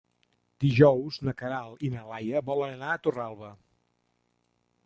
Dijous na Queralt i na Laia volen anar a Torralba.